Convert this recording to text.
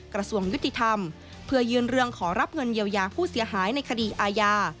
กระทรวงยุติธรรมเพื่อยื่นเรื่องขอรับเงินเยียวยาผู้เสียหายในคดีอาญา